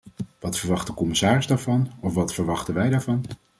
Wat verwacht de commissaris daarvan of wat verwachten wij daarvan?